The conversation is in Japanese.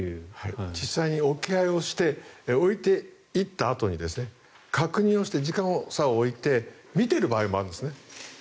実際に置き配をして置いて行ったあとに確認をして時間をおいて見ている場合もあるんですね。